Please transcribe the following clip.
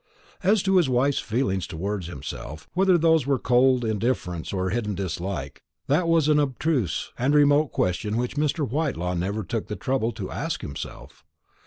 As to his wife's feelings towards himself, whether those were cold indifference or hidden dislike, that was an abstruse and remote question which Mr. Whitelaw never took the trouble to ask himself.